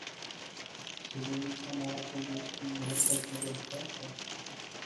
سلیم انارکلی کی محبت میں گرفتار تھا